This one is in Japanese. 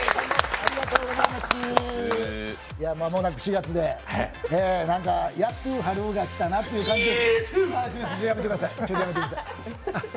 間もなく４月で、やっと春が来たなっという感じで。